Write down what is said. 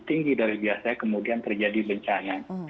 tinggi dari biasanya kemudian terjadi bencana